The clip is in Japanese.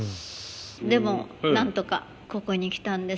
でもなんとかここに来たんですね。